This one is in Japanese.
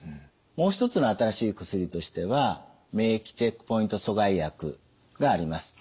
もう一つの新しい薬としては免疫チェックポイント阻害薬があります。